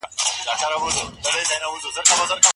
غالۍ په لنډ وخت کي نه بشپړیږي.